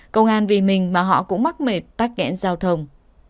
công an vì mình mà họ cũng mắc mệt tắc nghẽn giao thông